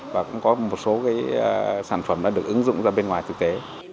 và cũng có một số sản phẩm đã được ứng dụng ra bên ngoài thực tế